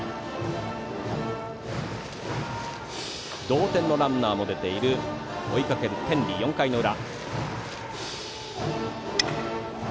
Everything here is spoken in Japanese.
同点のランナーも出ている追いかける天理、４回の裏。